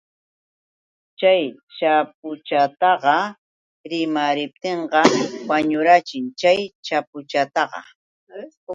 Chay chapuchataqa rimariptinqa wañurachin chay chapuchataqa.